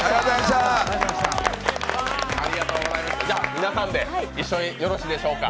皆さんで一緒によろしいでしょうか。